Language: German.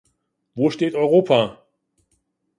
Wo steht Europa?